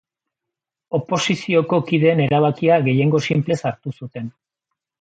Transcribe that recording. Oposizioko kideen erabakia gehiengo sinplez hartu zuten.